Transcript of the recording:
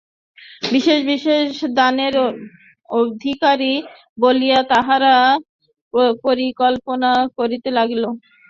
বিশেষ বিশেষ দানের অধিকারী বলিয়া তাঁহারা বিবেচিত হইতেন এবং আচার্যদিগকেও ছাত্রদের প্রতিপালন করিতে হইত।